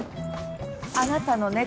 あなたの猫？